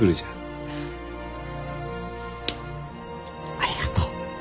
ありがとう。